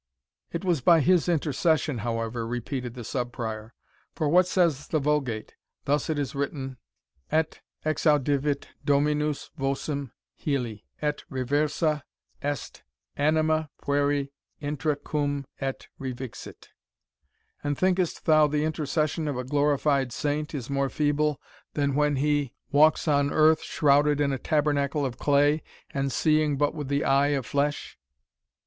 "It was by his intercession, however," repeated the Sub Prior; "for what says the Vulgate? Thus it is written: 'Et exaudivit Dominus vocem Helie; et reversa est anima pueri intra cum, et revixit;' and thinkest thou the intercession of a glorified saint is more feeble than when he walks on earth, shrouded in a tabernacle of clay, and seeing but with the eye of flesh?"